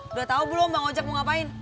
udah tau belum bang ojak mau ngapain